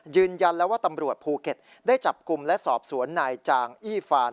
ยืนยันแล้วว่าตำรวจภูเก็ตได้จับกลุ่มและสอบสวนนายจางอี้ฟาน